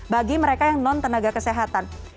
bagi mereka yang non tenaga kesehatan